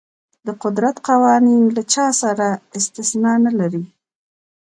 د قدرت قوانین له چا سره استثنا نه لري.